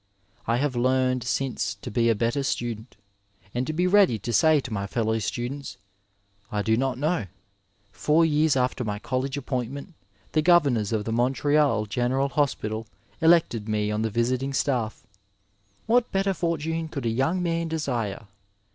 I have learned since to be a better student, and to be ready to say to my fellow students " I do not know." Four years after my college appointment the Governors of the Montreal General Hospital elected me on the visiting stafE. What better fortune could a young man desire